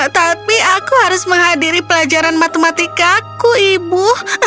tapi aku harus menghadiri pelajaran matematikaku ibu